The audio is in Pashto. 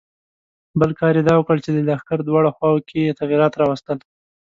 بل کار یې دا وکړ چې د لښکر دواړو خواوو کې یې تغیرات راوستل.